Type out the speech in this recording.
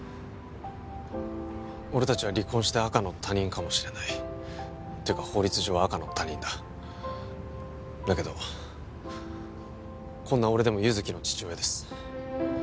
俺達は離婚して赤の他人かもしれないっていうか法律上赤の他人だだけどこんな俺でも優月の父親です